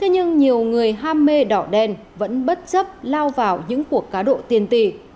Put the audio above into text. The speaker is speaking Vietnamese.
nhưng nhiều người ham mê đỏ đen vẫn bất chấp lao vào những cuộc cá độ tiền tỷ